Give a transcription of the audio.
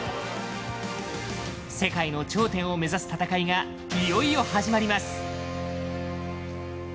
世界の頂点を目指す戦いがいよいよ始まります。